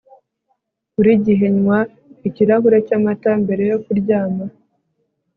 Buri gihe nywa ikirahuri cyamata mbere yo kuryama